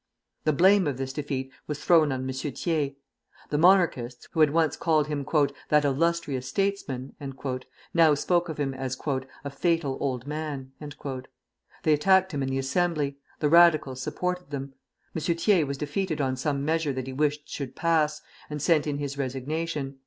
The blame of this defeat was thrown on M. Thiers. The Monarchists, who had once called him "that illustrious statesman," now spoke of him as "a fatal old man." They attacked him in the Assembly; the Radicals supported them. M. Thiers was defeated on some measure that he wished should pass, and sent in his resignation.